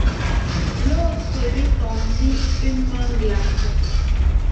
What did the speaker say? L'autre lui tendit une main glacée.